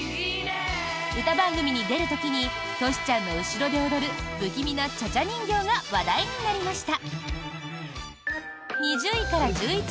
歌番組に出る時にトシちゃんの後ろで踊る不気味なチャチャ人形が話題になりました。